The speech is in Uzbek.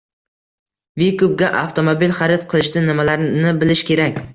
«Vikup»ga avtomobil xarid qilishda nimalarni bilish kerak?